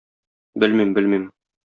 Белмим, белмим.